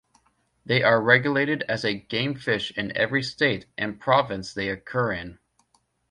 They are regulated as a gamefish in every state and province they occur in.